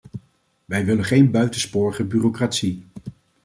Wij willen geen buitensporige bureaucratie.